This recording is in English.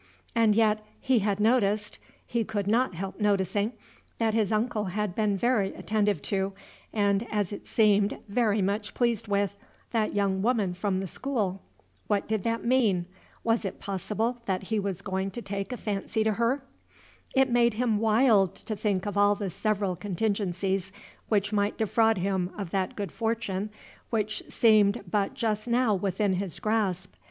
And yet he had noticed he could not help noticing that his uncle had been very attentive to, and, as it seemed, very much pleased with, that young woman from the school. What did that mean? Was it possible that he was going to take a fancy to her? It made him wild to think of all the several contingencies which might defraud him of that good fortune which seemed but just now within his grasp.